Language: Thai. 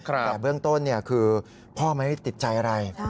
แต่เบื้องต้นคือพ่อไม่ติดใจอะไร